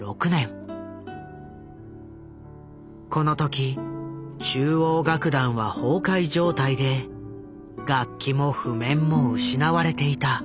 この時中央楽団は崩壊状態で楽器も譜面も失われていた。